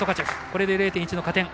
これで０．１の加点。